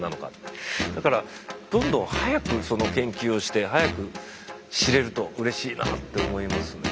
だからどんどん早くその研究をして早く知れるとうれしいなって思いますね。